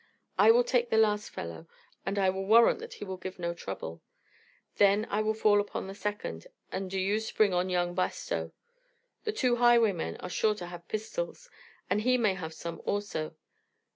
I will take the last fellow, and I will warrant that he will give no trouble; then I will fall upon the second, and do you spring on young Bastow. The two highwaymen are sure to have pistols, and he may have some also.